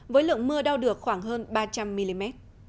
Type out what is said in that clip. với lượng mưa đau được khoảng hơn ba trăm linh mm